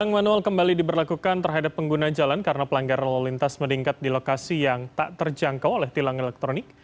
yang manual kembali diberlakukan terhadap pengguna jalan karena pelanggaran lalu lintas meningkat di lokasi yang tak terjangkau oleh tilang elektronik